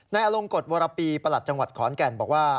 อลงกฎวรปีประหลัดจังหวัดขอนแก่นบอกว่า